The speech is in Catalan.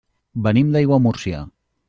Venim d'Aiguamúrcia.